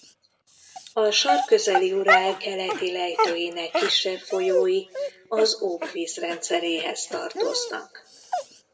A Sarkközeli-Urál keleti lejtőinek kisebb folyói az Ob vízrendszeréhez tartoznak.